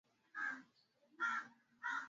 Jua likija linaharibu sana hivyo faida yake ni ndogo